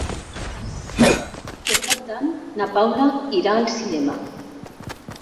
Per Cap d'Any na Paula irà al cinema.